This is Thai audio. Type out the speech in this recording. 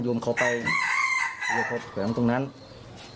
จะได้ให้เพื่อนดูว่า